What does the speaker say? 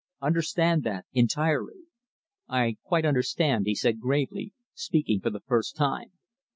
Understand that entirely." "I quite understand," he said gravely, speaking for the first time.